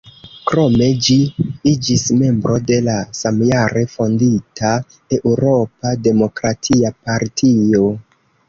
Krome ĝi iĝis membro de la samjare fondita Eŭropa Demokratia Partio.